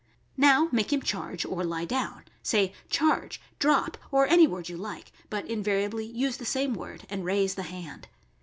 Now mak6 him charge or lie down; say " Charge," "Drop," or any word you like, but invariably use the same word and raise the hand.